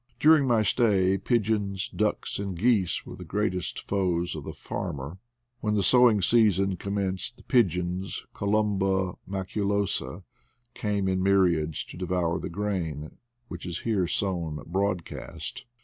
During my stay jjigeoiiSj ducks, and geese were th§ greatest foes of the fanner^ When Tie sowing season com menced the pigeons (Columba maculosa) came in myriads to devour the grain, which is here sown broadcast.